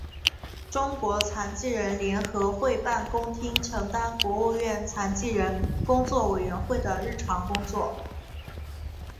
中国残疾人联合会办公厅承担国务院残疾人工作委员会的日常工作。